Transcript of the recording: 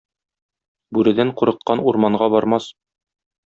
Бүредән курыккан урманга бармас.